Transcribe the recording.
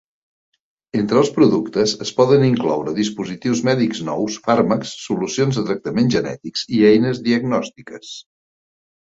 Entre els productes, es poden incloure dispositius mèdics nous, fàrmacs, solucions de tractaments genètics i eines diagnòstiques.